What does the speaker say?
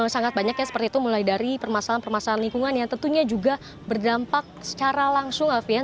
sangat banyak ya seperti itu mulai dari permasalahan permasalahan lingkungan yang tentunya juga berdampak secara langsung alfian